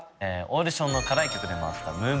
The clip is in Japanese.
オーディションの課題曲でもあった。